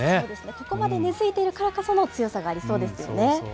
ここまで根づいているからこその強さがありそうですよね。